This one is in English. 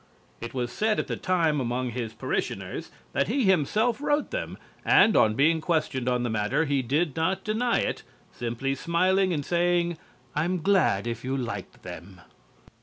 It was said at the time among his parishioners that he himself wrote them and on being questioned on the matter he did not deny it, simply smiling and saying, "I'm glad if you liked them."